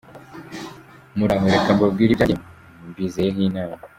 Muraho, reka mbabwire ibyanjye mbizeyeho inama.